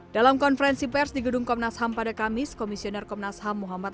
dalam konferensi pers di gedung komnas ham pada kamis komisioner komnas ham muhammad